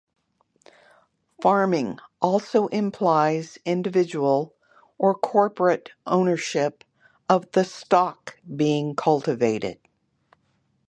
Farming also implies individual or corporate ownership of the stock being cultivated.